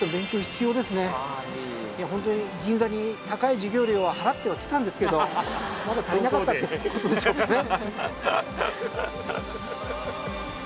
ホントに銀座に高い授業料は払ってはきたんですけどまだ足りなかったって事でしょうかね。